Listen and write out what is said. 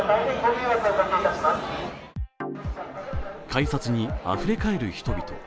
改札にあふれかえる人々。